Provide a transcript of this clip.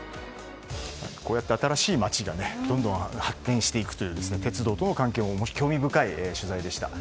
こうやって新しい街がどんどん発展していくという鉄道と関係もある興味深い取材でした。